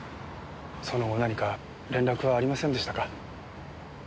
その後何か連絡はありませんでしたか？